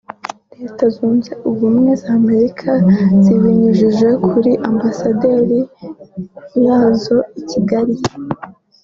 Leta zunze ubumwe za Amerika zibinyujije kuri Ambasade yazo i Kigali